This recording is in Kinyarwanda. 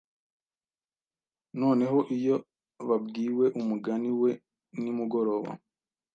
Noneho iyo babwiwe umugani we nimugoroba,